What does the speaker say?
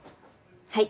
はい！